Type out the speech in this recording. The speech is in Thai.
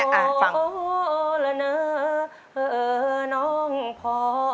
โอ้ละเนอเอ่อน้องพร